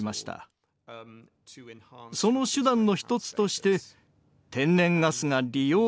その手段の一つとして天然ガスが利用できると気付いたのです。